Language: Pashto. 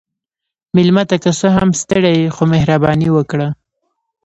مېلمه ته که څه هم ستړی يې، خو مهرباني وکړه.